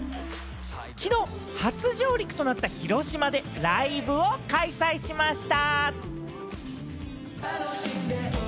きのう初上陸となった広島でライブを開催しました。